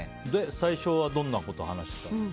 最初はどんなこと話してたんですか。